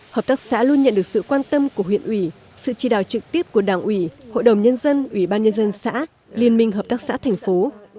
hợp tác xã luôn nhận được sự quan tâm của huyện ủy sự tri đào trực tiếp của đảng ủy hội đồng nhân dân ủy ban nhân dân xã liên minh hợp tác xã thành phố